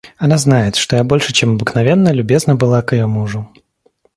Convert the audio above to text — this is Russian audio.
Она знает, что я больше, чем обыкновенно, любезна была к ее мужу.